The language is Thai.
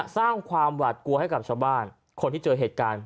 สร้างความหวาดกลัวให้กับชาวบ้านคนที่เจอเหตุการณ์